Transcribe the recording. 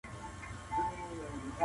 ته توپک را واخله ماته بم راکه